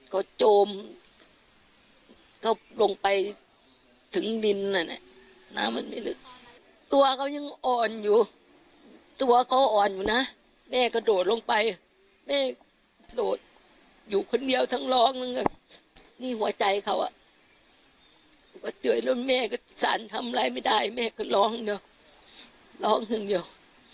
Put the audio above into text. ก็เจ๋วยแล้วแม่ก็สั่นทำอะไรไม่ได้แม่ก็ร้องเดี๋ยวร้องทั้งเดียว